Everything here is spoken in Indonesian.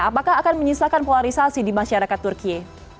apakah akan menyesalkan polarisasi di masyarakat turkiya